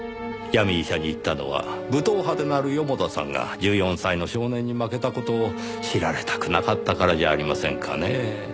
闇医者に行ったのは武闘派で鳴る四方田さんが１４歳の少年に負けた事を知られたくなかったからじゃありませんかねぇ。